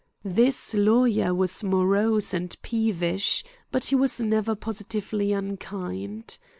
This lawyer was morose and peevish, but he was never positively unkind.